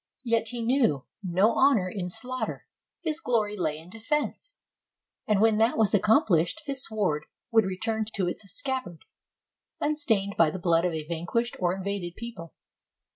Yet he knew no honor in slaughter: his glory lay in defense; and when that was accomplished, his sword would return to its scabbard, unstained by the blood of a vanquished or invaded people.